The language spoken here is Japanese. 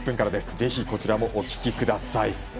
ぜひこちらもお聴きください。